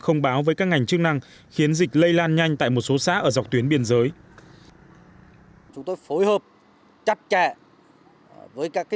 không báo với các ngành chức năng khiến dịch lây lan nhanh tại một số xã ở dọc tuyến biên giới